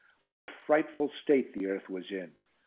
What a frightful state the earth was in.